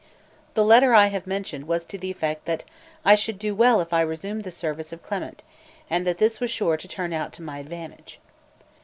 The letter I have mentioned was to the effect that I should do well if I resumed the service of Clement, and that this was sure to turn out to my advantage.